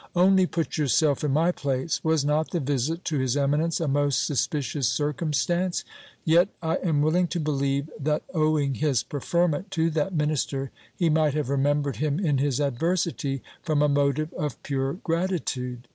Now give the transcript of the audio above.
Only put yourself in my place : was not the visit to his eminence a most suspicious circumstance ? Yet I am willing to believe that owing his preferment to that minister, he might have remembered him in his adversity from a motive of pure gratitude.